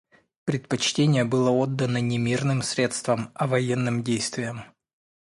Предпочтение было отдано не мирным средствам, а военным действиям.